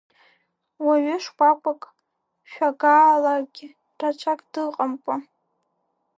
Уаҩы шкәакәак, шәагаалагь рацәак дыҟамкәа…